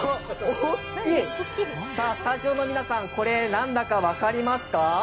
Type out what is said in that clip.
大きい、スタジオの皆さん、これ何だか分かりますか？